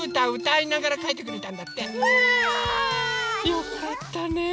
よかったねえ。